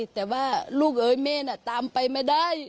แต่ว่าลูกเอ้ยแม่น่ะตามไปไม่ได้